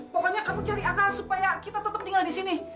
pokoknya kamu cari akal supaya kita tetap tinggal di sini